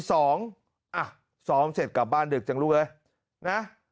ซ้อมอ่ะซ้อมเสร็จกลับบ้านดึกจังลูกเอ้ยนะ